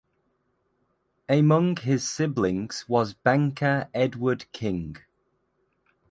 Among his siblings was banker Edward King.